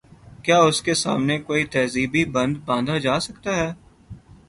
کیا اس کے سامنے کوئی تہذیبی بند باندھا جا سکتا ہے؟